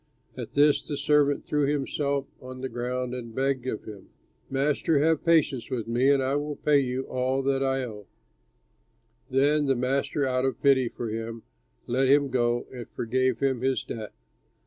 At this the servant threw himself on the ground and begged of him, 'Master, have patience with me and I will pay you all I owe you.' Then the master out of pity for him let him go and forgave him his debt.